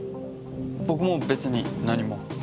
僕も別に何も。